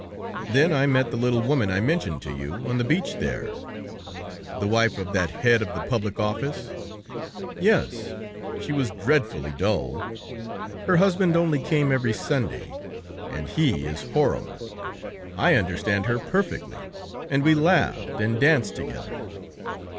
"Then I met the little woman I mentioned to you on the beach there." "The wife of that head of the public office?" "Yes; she was dreadfully dull; her husband only came every Sunday, and he is horrible! I understand her perfectly, and we laughed and danced together."